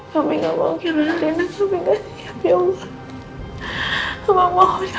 kami gak mau kehilangan reina